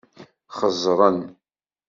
Xeẓẓren.